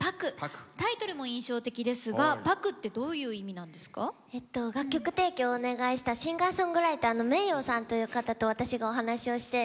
タイトルも印象的ですがえっと楽曲提供をお願いしたシンガーソングライターのｍｅｉｙｏさんという方と私がお話をして。